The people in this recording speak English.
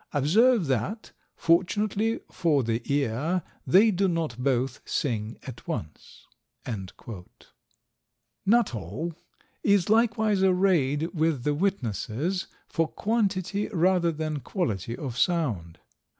Observe that, fortunately for the ear, they do not both sing at once!" Nuttall is likewise arrayed with the witnesses for quantity rather than quality of sound.